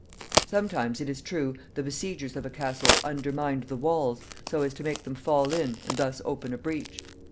Sometimes, it is true, the besiegers of a castle undermined the walls, so as to make them fall in and thus open a breach.